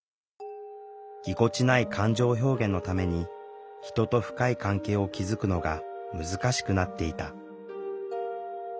ぎこちない感情表現のために人と深い関係を築くのが難しくなっていた。